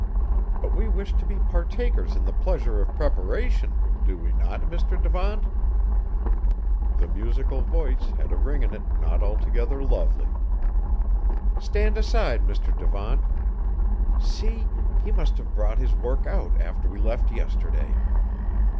But we wish to be partakers in the pleasure of preparation, do we not, Mr. Devant?" The musical voice had a ring in it not altogether lovely. "Stand aside, Mr. Devant! See, he must have brought his work out after we left yesterday.